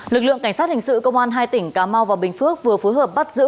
lực lượng cảnh sát hình sự công an hai tỉnh cà mau và bình phước vừa phối hợp bắt giữ